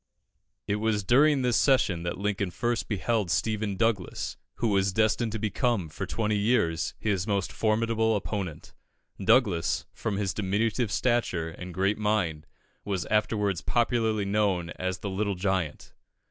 It was during this session that Lincoln first beheld Stephen Douglas, who was destined to become, for twenty years, his most formidable opponent. Douglas, from his diminutive stature and great mind, was afterwards popularly known as the Little Giant.